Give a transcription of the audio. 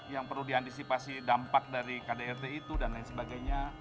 yang perlu diantisipasi dampak dari kdrt itu dan lain sebagainya